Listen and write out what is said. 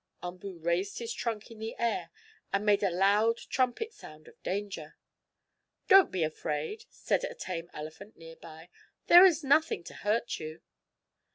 Umboo raised his trunk in the air, and made a loud trumpet sound of danger. "Don't be afraid," said a tame elephant near by. "There is nothing to hurt you."